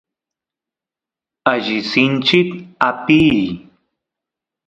alli sinchit apiy